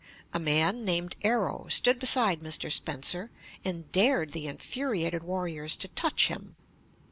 A man named Arrow stood beside Mr. Spencer and dared the infuriated warriors to touch him.